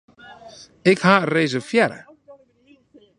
Ik ha reservearre.